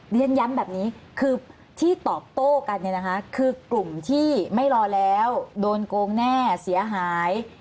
เรียนย้ำแบบนี้คือที่ตอบโต้กันเนี่ยนะคะคือกลุ่มที่ไม่รอแล้วโดนโกงแน่เสียหาย